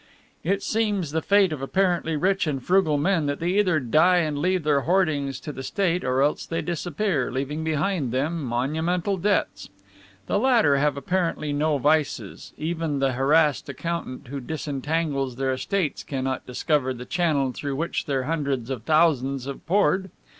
It seems the fate of apparently rich and frugal men that they either die and leave their hoardings to the State or else they disappear, leaving behind them monumental debts. The latter have apparently no vices; even the harassed accountant who disentangles their estates cannot discover the channel through which their hundreds of thousands have poured.